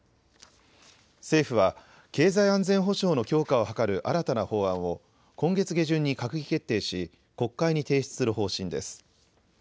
政府は、経済安全保障の強化を図る新たな法案を今月下旬に閣議決定し、国会に提出する方針です。